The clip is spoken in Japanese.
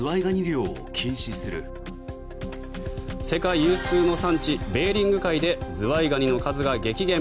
世界有数の産地ベーリング海でズワイガニの数が激減。